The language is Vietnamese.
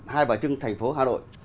tại bà trưng thành phố hà nội